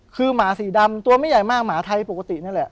คือหมาสีดำตัวไม่ใหญ่มากหมาไทยปกตินั่นแหละ